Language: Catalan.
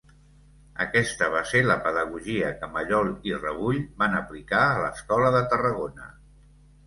Aquesta va ser la pedagogia que Mallol i Rebull van aplicar a l’escola de Tarragona.